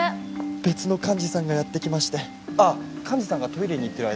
別の幹事さんがやってきましてああ幹事さんがトイレに行ってる間に